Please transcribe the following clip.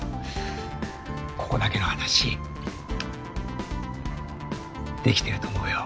ここだけの話デキてると思うよ